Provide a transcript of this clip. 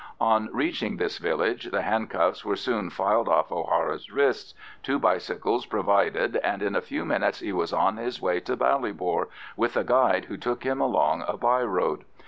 On reaching this village the handcuffs were soon filed off O'Hara's wrists, two bicycles provided, and in a few minutes he was on his way to Ballybor with a guide who took him along a byroad.